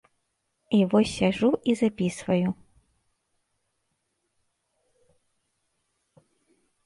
І вось сяджу і запісваю.